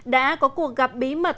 đã có cuộc gặp bí mật